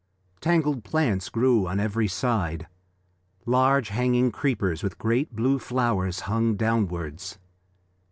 Tangled plants grew on every side; large hanging creepers with great blue flowers hung downwards.